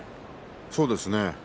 そうですね。